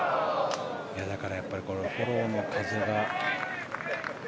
だから、フォローの風は。